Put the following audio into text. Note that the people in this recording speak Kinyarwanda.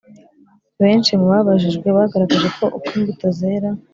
Benshi mu babajijwe bagaragaje ko uko imbuto zera